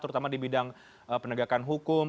terutama di bidang penegakan hukum